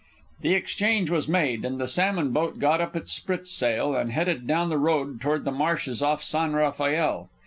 The exchange was made, and the salmon boat got up its spritsail and headed down the bay toward the marshes off San Rafael.